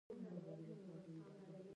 د مبارزې اهداف کیدای شي بیلابیل او متنوع وي.